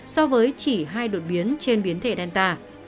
so với chỉ hai đột biến trên biến thể danta